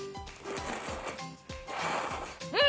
うん！